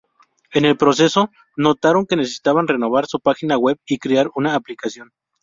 En el proceso, notaron que necesitaban renovar su página web y crear una aplicación.